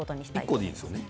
１個でいいですよね？